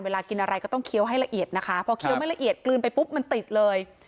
เวลากินอะไรก็ต้องเคี้ยวให้ละเอียดนะคะพอเคี้ยวไม่ละเอียดกลืนไปปุ๊บมันติดเลย